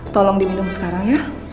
tolong diminum sekarang ya